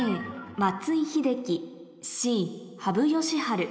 松井秀喜Ｃ羽生善治